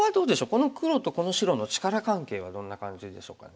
この黒とこの白の力関係はどんな感じでしょうかね。